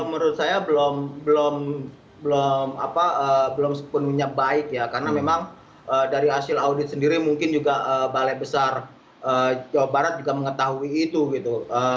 menurut saya belum sepenuhnya baik ya karena memang dari hasil audit sendiri mungkin juga balai besar jawa barat juga mengetahui itu gitu